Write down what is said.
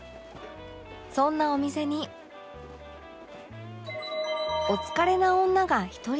そんなお店にお疲れな女が１人